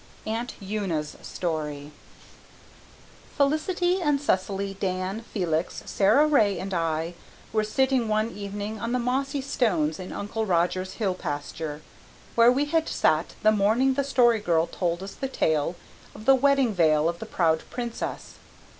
AUNT UNA'S STORY Felicity, and Cecily, Dan, Felix, Sara Ray and I were sitting one evening on the mossy stones in Uncle Roger's hill pasture, where we had sat the morning the Story Girl told us the tale of the Wedding Veil of the Proud Princess.